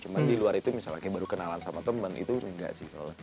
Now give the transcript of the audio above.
cuma di luar itu misalnya kayak baru kenalan sama temen itu enggak sih